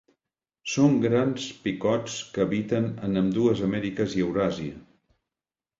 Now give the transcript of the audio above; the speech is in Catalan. Són grans picots que habiten en ambdues Amèriques i Euràsia.